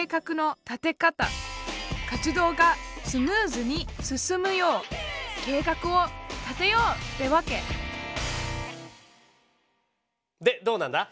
活動がスムーズに進むよう計画を立てようってわけでどうなんだ？